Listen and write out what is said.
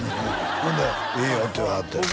ほんなら「いいよ」って言わはったんや